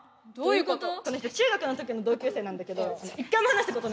この人中学の時の同級生なんだけど一回も話したことないの。